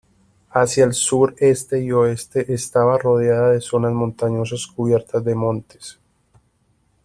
Hacia el sur, este y oeste estaba rodeada de zonas montañosas cubiertas de montes.